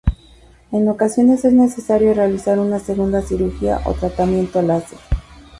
En ocasiones es necesario realizar una segunda cirugía o tratamiento láser.